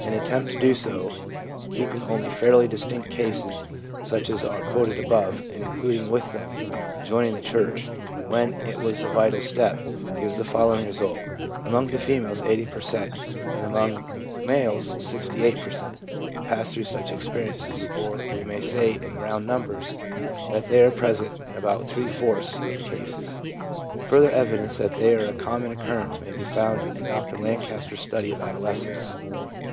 An attempt to do so, keeping only fairly distinct cases, such as are quoted above, and including with them ' joining the church/ when it was a vital step, gives the following result : among the females 80 per cent, and among the males 68 per cent, pass through such experiences ; or, we may say in round numbers, that they are present in about three fourths of the cases. Further evidence that they are a common occurrence may be found in Dr Lancaster's study of adolescence.